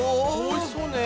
おいしそうね。